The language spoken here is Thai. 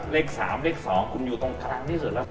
และ๓๒กรึงอยู่ตรงครั้งนี้สุดเลย